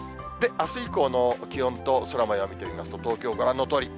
あす以降の気温と空もよう見ていきますと、東京ご覧のとおり。